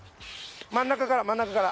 ん中から真ん中から！